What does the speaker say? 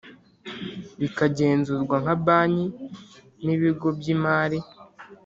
bikagenzurwa nka banki n ibigo by imari